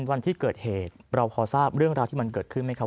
วันที่เกิดเหตุเราพอทราบเรื่องราวที่มันเกิดขึ้นไหมครับ